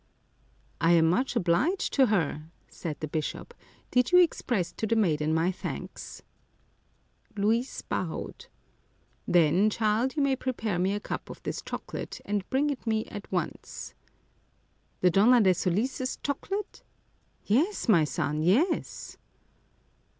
I am much obliged to her," said the bishop ;" did you express to the maiden my thanks ?" Luis bowed. " Then, child, you may prepare me a cup of this chocolate, and bring it me at once." " The Donna de Solis's chocolate ?"" Yes, my son, yes